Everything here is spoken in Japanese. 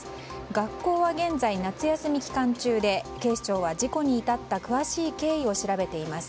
学校は現在、夏休み期間中で警視庁は事故に至った詳しい経緯を調べています。